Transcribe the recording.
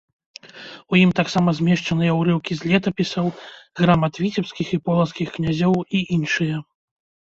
У ім таксама змешчаныя ўрыўкі з летапісаў, грамат віцебскіх і полацкіх князёў і іншыя.